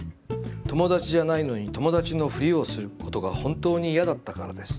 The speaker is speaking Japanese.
『友達じゃないのに友達のふりをする』ことが本当にイヤだったからです。